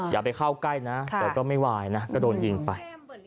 อย่าไปเข้าใกล้นะแต่ก็ไม่วายนะก็โดนยิงไป